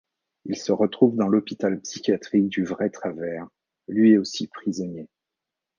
Ils se retrouvent dans l'hôpital psychiatrique du vrai Travers, lui aussi prisonnier.